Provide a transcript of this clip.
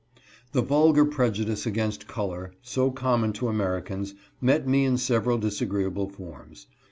The vulgar prejudice against color, so common to Ameri cans, met me in several disagreeable forms.